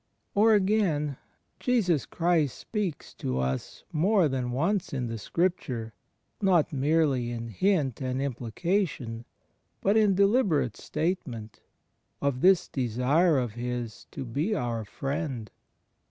Or again; — Jesus Christ speaks to us more than once in the Scripture, not merely in hint and implication, but in deliberate statement, of this desire of His to be our friend.